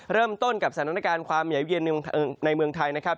เริ่มต้นกับสถานการณ์ความหนาวเย็นในเมืองไทยนะครับ